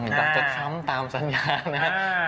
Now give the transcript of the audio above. แต่จะซ้ำตามสัญญานะครับ